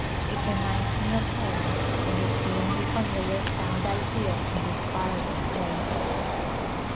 It reminds me of home and is the only familiar sound I hear in this far away place.